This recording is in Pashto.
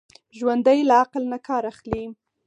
ژوندي له عقل نه کار اخلي